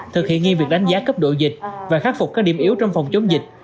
thực hiện nghiêm việc đánh giá cấp độ dịch và khắc phục các điểm yếu trong phòng chống dịch